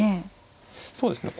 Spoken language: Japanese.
そうですね